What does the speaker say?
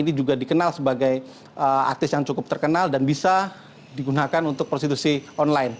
yang bisa dikenal sebagai artis yang cukup terkenal dan bisa digunakan untuk prosedusi online